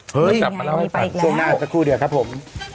เฮ้ยยังไงมีไปอีกแล้วช่วงหน้าจะคู่เดี๋ยวครับผม